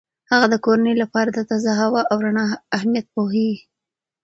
هغه د کورنۍ لپاره د تازه هوا او رڼا اهمیت پوهیږي.